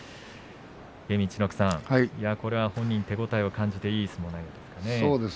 陸奥さん、本人は手応えを感じていい相撲ですね。